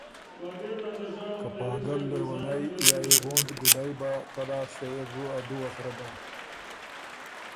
که پاګل، لېونئ یا يې ووند، ګُوډئ بَۀ، فۀ لاسته يې بو ا دُوه سرۀ بَۀ۔